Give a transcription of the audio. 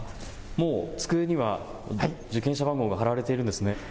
もう机には受験者番号が貼られているんですね。